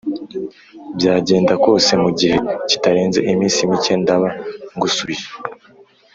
byagenda kose mu gihe kitarenze iminsi mike ndaba ngusubije.